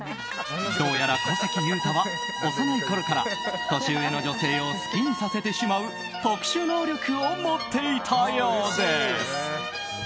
どうやら小関裕太は幼いころから年上の女性を好きにさせてしまう特殊能力を持っていたようです。